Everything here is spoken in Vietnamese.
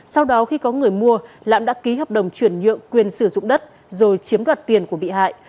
sau đó khi có người mua lãm đã ký hợp đồng chuyển nhượng quyền sử dụng đất rồi chiếm đoạt tiền của bị hại